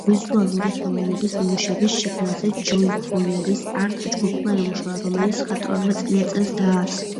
ვიზუალური ხელოვნების ნიმუშების შექმნაზე ჯოი ფოიერის არტ ჯგუფმა იმუშავა, რომელიც მხატვარმა წინა წელს დაარსა.